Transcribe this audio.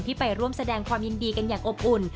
ไปร่วมแสดงความยินดีกันอย่างอบอุ่น